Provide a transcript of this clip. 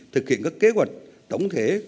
thực hiện các kế hoạch tổng thể